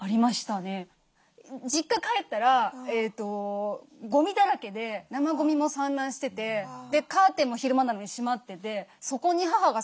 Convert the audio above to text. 実家帰ったらごみだらけで生ごみも散乱しててカーテンも昼間なのに閉まっててそこに母が座ってたんですよ。